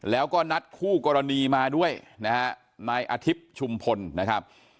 แล้วก็นัดคู่กรณีมาด้วยนะฮะนายอาทิตย์ชุมพลนะครับ